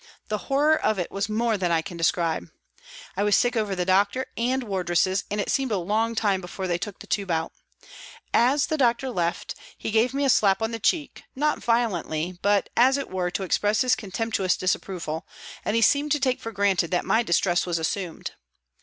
The horror of it was more than I can describe. I was sick over the doctor and wardresses, and it seemed a long time before they took the tube out. As the doctor left he gave me a slap on the cheek, not violently, but, as it were, to express his con 270 PRISONS AND PRISONERS temptuous disapproval, and he seemed to take for granted that my distress was assumed.